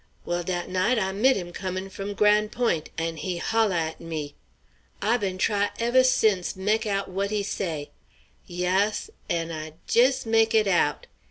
Well, dat night I mit him comin' fum Gran' Point' and he hol' at me. I been try evva since meck out what he say. Yass. An' I jis meck it out!